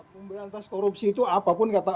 memberantas korupsi itu apapun kata